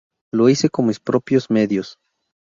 Lo hice con mis propios medios.